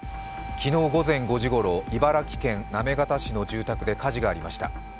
昨日午前５時ごろ、茨城県行方市の住宅で火事がありました。